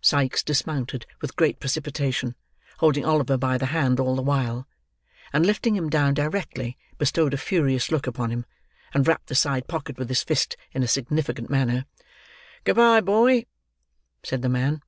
Sikes dismounted with great precipitation, holding Oliver by the hand all the while; and lifting him down directly, bestowed a furious look upon him, and rapped the side pocket with his fist, in a significant manner. "Good bye, boy," said the man.